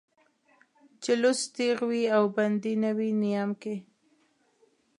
چې لوڅ تېغ وي او بندي نه وي نيام کې